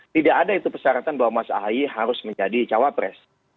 tidak ada itu persyaratan bahwa mas ahy harus menjadi cawapres